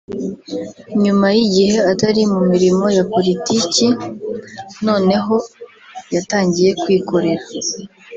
nyuma y’igihe atari mu mirimo ya Politiki noneho yatangiye kwikorera